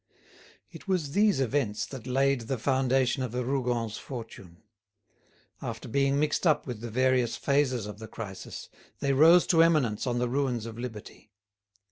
[*] The Count de Chambord, "Henri V." It was these events that laid the foundation of the Rougons' fortune. After being mixed up with the various phases of the crisis, they rose to eminence on the ruins of liberty.